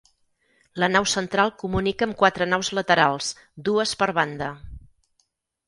La nau central comunica amb quatre naus laterals, dues per banda.